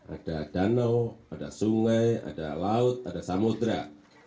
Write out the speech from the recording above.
ada danau ada sungai ada laut ada samudera